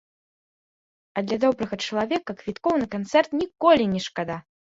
А для добрага чалавека квіткоў на канцэрт ніколі не шкада!